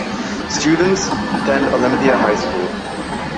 Students attend Olympia High School.